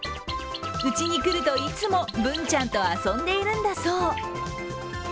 うちに来るといつもブンちゃんと遊んでいるんだそう。